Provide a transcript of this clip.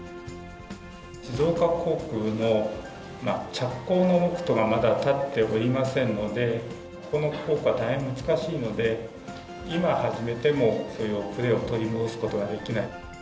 静岡工区の着工の目途がまだ立っておりませんので、ここの工区は大変難しいので、今始めても、そういう遅れを取り戻すことができない。